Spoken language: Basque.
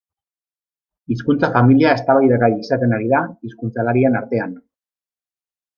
Hizkuntza-familia eztabaidagai izaten ari da hizkuntzalarien artean.